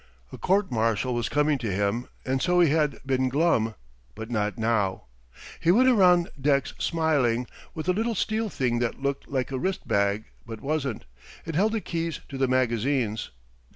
A court martial was coming to him and so he had been glum; but not now. He went around decks smiling, with a little steel thing that looked like a wrist bag but wasn't. It held the keys to the magazines.